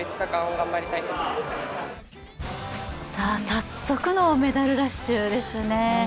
早速のメダルラッシュですね。